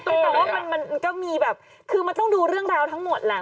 แต่ว่ามันก็มีแบบคือมันต้องดูเรื่องราวทั้งหมดแหละ